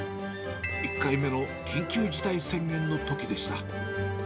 １回目の緊急事態宣言のときでした。